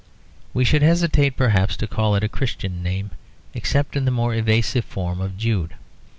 We should hesitate perhaps to call it a Christian name, except in the more evasive form of Jude.